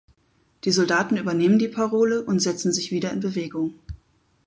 Die Soldaten übernehmen die Parole und setzen sich wieder in Bewegung.